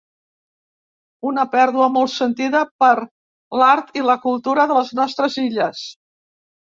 Una pèrdua molt sentida per l'art i la cultura de les nostres illes.